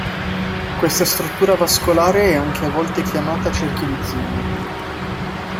Questa struttura vascolare è anche a volte chiamata "cerchio di Zinn".